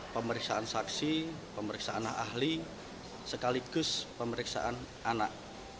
pemeriksaan saksi pemeriksaan ahli sekaligus pemeriksaan anak